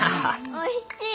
おいしい！